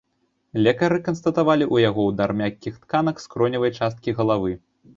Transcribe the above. Лекары канстатавалі у яго удар мяккіх тканак скроневай часткі галавы.